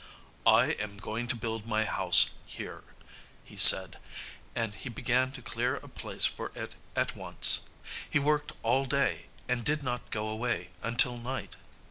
"I am going to build my house here," he said, and he began to clear a place for it at once. He worked all day and did not go away until night.